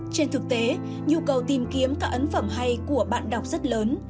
trên thực tế nhu cầu tìm kiếm các ấn phẩm hay của bạn đọc rất lớn